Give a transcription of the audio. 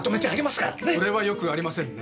それはよくありませんね。